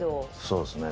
そうですね。